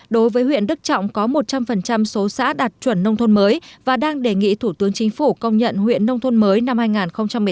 đối với huyện đức trọng có một trăm linh số xã đạt chuẩn nông thôn mới và đang đề nghị thủ tướng chính phủ công nhận huyện nông thôn mới năm hai nghìn một mươi tám